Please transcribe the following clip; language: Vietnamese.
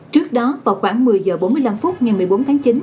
trước đó vào khoảng một mươi h bốn mươi năm phút ngày một mươi bốn tháng chín